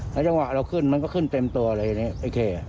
ในจังหวะเราขึ้นมันก็ขึ้นเต็มตัวเลยอย่างนี้ไอ้เค